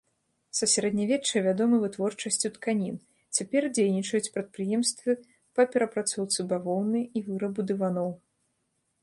Са сярэднявечча вядомы вытворчасцю тканін, цяпер дзейнічаюць прадпрыемствы па перапрацоўцы бавоўны і вырабу дываноў.